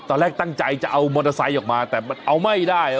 ตอนแรกตั้งใจจะเอามอเตอร์ไซค์ออกมาแต่มันเอาไม่ได้